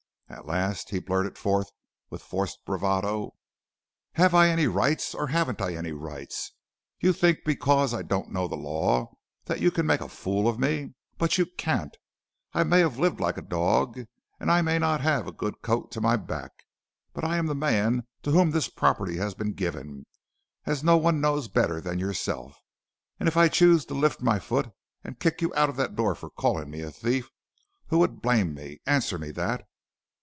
At last he blurted forth with forced bravado: "'Have I any rights, or haven't I any rights! You think because I don't know the law, that you can make a fool of me, but you can't. I may have lived like a dog, and I may not have a good coat to my back, but I am the man to whom this property has been given, as no one knows better than yourself; and if I chose to lift my foot and kick you out of that door for calling me a thief, who would blame me? answer me that.'